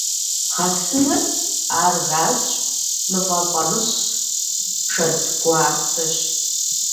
Гъэсыныр — ар газщ, мывэ фӀамыщӀщ, шэдгуарцэщ.